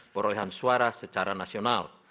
perolehan suara secara nasional